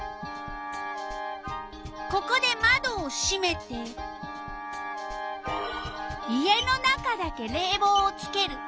ここでまどをしめて家の中だけれいぼうをつける。